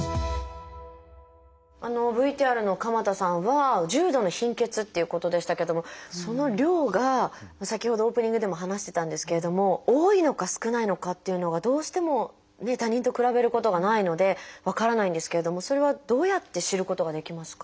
ＶＴＲの鎌田さんは重度の貧血っていうことでしたけどもその量が先ほどオープニングでも話してたんですけれども多いのか少ないのかっていうのがどうしてもね他人と比べることがないので分からないんですけれどもそれはどうやって知ることができますか？